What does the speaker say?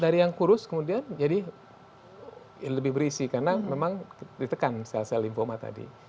dari yang kurus kemudian jadi lebih berisi karena memang ditekan sel sel informa tadi